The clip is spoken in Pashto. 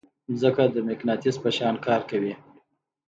ځمکه د مقناطیس په شان کار کوي.